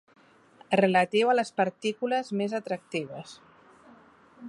Relatiu a les partícules més atractives.